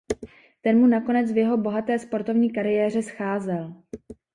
Ten mu nakonec v jeho bohaté sportovní kariéře scházel.